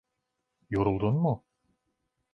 Yoruldun mu?